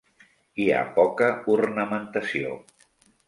Hi ha poca ornamentació.